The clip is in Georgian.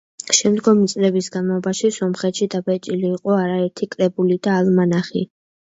შემდგომი წლების განმავლობაში სომხეთში დაბეჭდილი იყო არაერთი კრებული და ალმანახი.